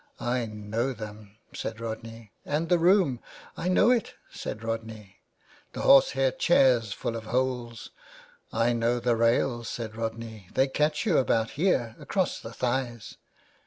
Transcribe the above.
" I know them," said Rodney. " And the room—" *' I know it," said Rodney. *' The horse hair chairs full of holes.'' '^ I know the rails," said Rodney, '* they catch you about here, across the thighs."